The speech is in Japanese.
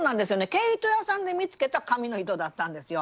毛糸屋さんで見つけた紙の糸だったんですよ。